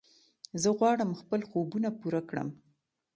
زه غواړم خپل خوبونه پوره کړم.